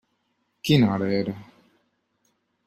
Quina hora era?